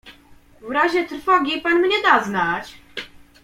"W razie trwogi pan mnie da znać."